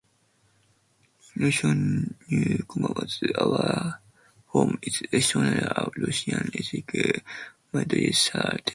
Election newcomer was Our Home is Estonia!, a Russian ethnic minority cartel.